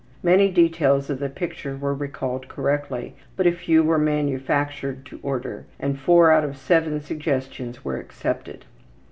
Many details of the picture were recalled correctly, but a few were manufactured to order, and 4 out of 7 suggestions were accepted.